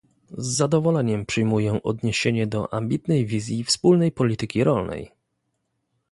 Z zadowoleniem przyjmuję odniesienie do ambitnej wizji wspólnej polityki rolnej